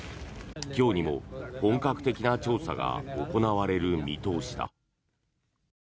今日にも本格的な調査が行われる見通しだ。